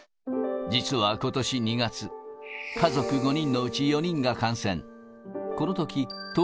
実はことし２月、家族５人のうち４人が感染。